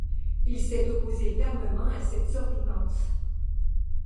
Il s'est opposé fermement à cette survivance.